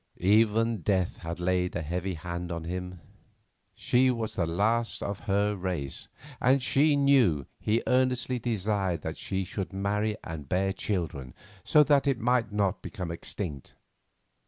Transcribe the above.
Even death had laid a heavy hand on him; she was the last of her race, and she knew he earnestly desired that she should marry and bear children so that it might not become extinct.